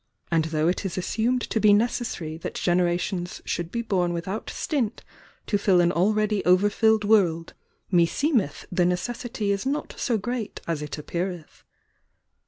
And though it is assumed *» be necessary that gen erations should be bom without stint to fill an a read? over fiUed world, meseemeth the nece^ity is not so great as it appeareth.